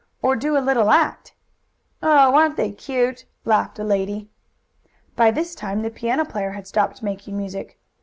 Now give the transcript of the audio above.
"Or do a little act." "Oh, aren't they cute!" laughed a lady. By this time the piano player had stopped making music.